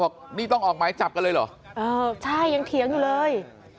บอกนี่ต้องออกหมายจับกันเลยเหรอเออใช่ยังเถียงอยู่เลย